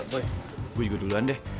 boy gue juga duluan deh